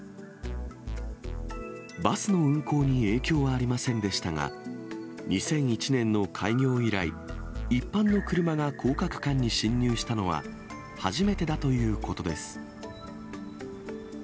バスの運行に影響はありませんでしたが、２００１年の開業以来、一般の車が高架区間に進入したのは初めてだということです。